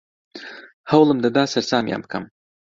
هەوڵم دەدا سەرسامیان بکەم.